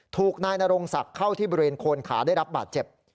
ถูกนายนรงศักดิ์เข้าที่บริเวณโคนขาได้รับบาดเจ็บ